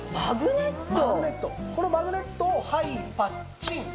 このマグネットをはいパッチン！